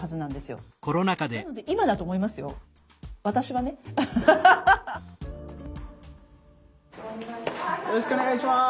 よろしくお願いします。